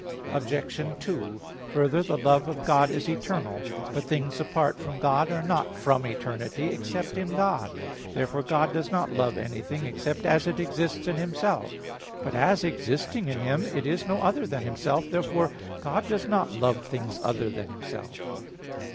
Obj. 2: Further, the love of God is eternal. But things apart from God are not from eternity; except in God. Therefore God does not love anything, except as it exists in Himself. But as existing in Him, it is no other than Himself. Therefore God does not love things other than Himself.